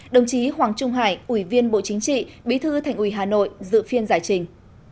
đồng chí hoàng trung hải ủy viên bộ chính trị bí thư thành ủy hà nội dự phiên giải trình